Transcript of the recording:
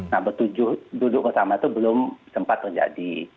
nah tujuh duduk bersama itu belum sempat terjadi